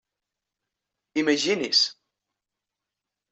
Imagini's!